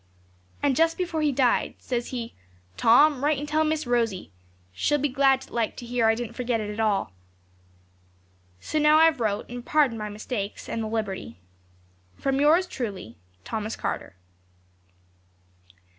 'And just before he died, says he, "Tom, write and tell Miss Rosie; she'll be glad like to hear I didn't forget it all." 'So now I've wrote, and pardon my mistakes, and the liberty. 'From yours truly, 'THOMAS CARTER.'